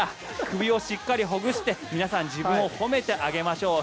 首をしっかりほぐして皆さん自分をほめてあげましょう。